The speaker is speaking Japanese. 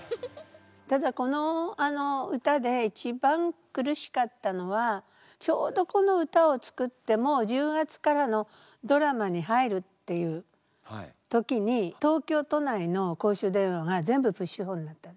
ただこの歌で一番苦しかったのはちょうどこの歌を作ってもう１０月からのドラマに入るっていう時に東京都内の公衆電話が全部プッシュホンになった。